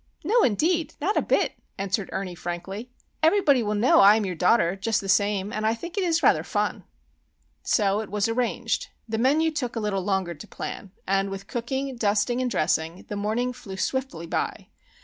"No, indeed; not a bit," answered Ernie, frankly. "Everybody will know I am your daughter, just the same, and I think it is rather fun." So it was arranged. The menu took a little longer to plan; and with cooking, dusting, and dressing, the morning flew swiftly by.